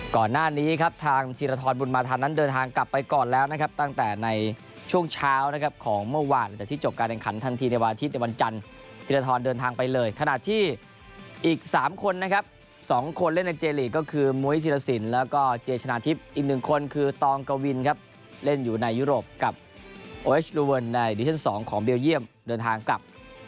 ก่อนหน้านี้ครับทางทีรทรบุญมาธรรมนั้นเดินทางกลับไปก่อนแล้วนะครับตั้งแต่ในช่วงเช้านะครับของเมื่อว่านจากที่จบการแรงขันทันทีในวันอาทิตย์ในวันจันทร์ทีรทรเดินทางไปเลยขนาดที่อีกสามคนนะครับสองคนเล่นในเจลีกก็คือม้วยทีรสินแล้วก็เจชนาทิพย์อีกหนึ่งคนคือตองกวินครับเล่นอยู่ในยุโรปกับ